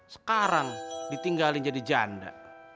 sekarang ditinggalin jadi janda